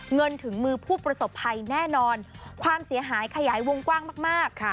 เงินถึงมือผู้ประสบภัยแน่นอนความเสียหายขยายวงกว้างมาก